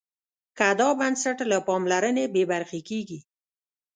که دا بنسټ له پاملرنې بې برخې کېږي.